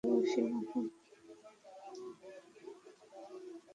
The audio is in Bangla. তোমাকে অনেক ভালোবাসি, মাহি!